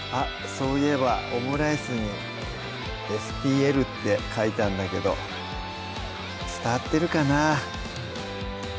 そういえばオムライスに「ＳＴＬ」って書いたんだけど伝わってるかな？